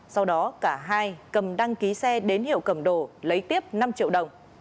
sau đó cả hai cầm đăng ký xe đến hiệu cầm đồ lấy tiếp năm triệu đồng